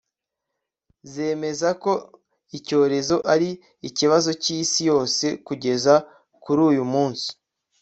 zemeza ko icyorezo ari ikibazo cy'isi yose. kugeza kuri uyu munsi